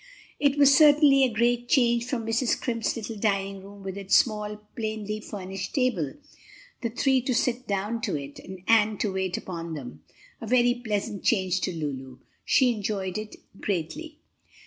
It was certainly a great change from Mrs. Scrimp's little dining room with its small, plainly furnished table, the three to sit down to it, and Ann to wait upon them a very pleasant change to Lulu. She enjoyed it greatly.